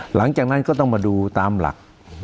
หลังจากนั้นก็ต้องมาดูตามหลัก